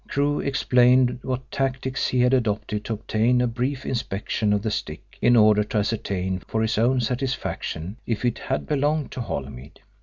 Crewe explained what tactics he had adopted to obtain a brief inspection of the stick in order to ascertain for his own satisfaction if it had belonged to Holymead.